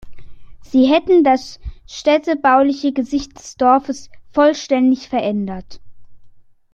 Sie hätten das städtebauliche Gesicht des Dorfes vollständig verändert.